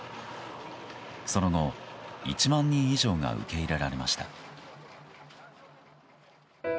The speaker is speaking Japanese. その後、１万人以上が受け入れられました。